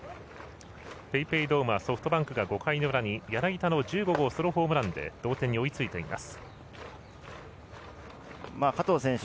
ＰａｙＰａｙドームはソフトバンクが５回の裏に柳田の１５号ソロホームランで同点に追いついています。